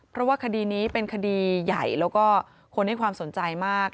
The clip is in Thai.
เพราะว่าคดีนี้เป็นคดีใหญ่แล้วก็คนให้ความสนใจมาก